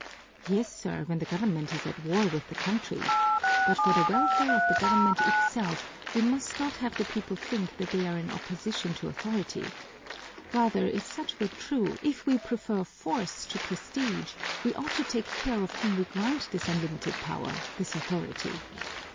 "Yes, sir, when the government is at war with the country. But for the welfare of the government itself we must not have the people think that they are in opposition to authority. Rather, if such were true, if we prefer force to prestige, we ought to take care to whom we grant this unlimited power, this authority.